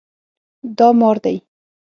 دا مار دی